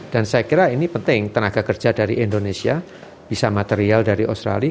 dan saya kira ini penting tenaga kerja dari indonesia bisa material dari australia